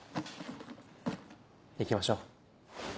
行きましょう。